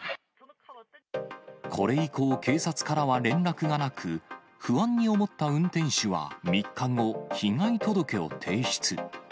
これ以降、警察からは連絡がなく、不安に思った運転手は３日後、被害届を提出。